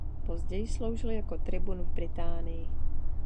Později sloužil jako tribun v Británii.